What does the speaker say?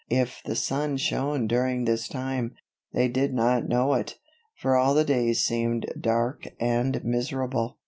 If the sun shone during this time, they did not know it; for all the days seemed dark and miserable.